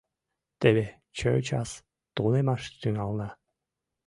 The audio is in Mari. Теве чӧчас тунемаш тӱҥалына.